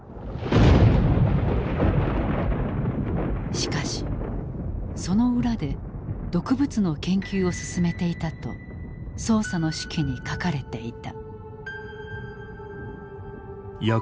しかしその裏で毒物の研究を進めていたと捜査の手記に書かれていた。